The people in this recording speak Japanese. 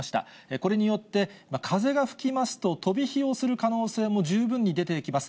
これによって、風が吹きますと、飛び火をする可能性も十分に出てきます。